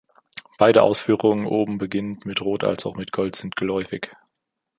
Beide Ausführungen oben beginnend mit Rot als auch mit Gold sind geläufig.